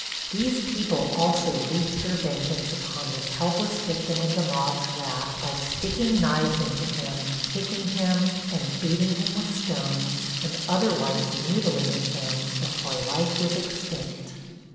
These people also wreaked their vengeance upon this helpless victim of the mob's wrath by sticking knives into him, kicking him and beating him with stones and otherwise mutilating him before life was extinct.